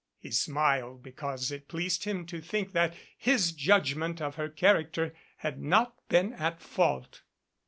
He smiled because it pleased him to think that his judgment of her charac ter had not been at fault.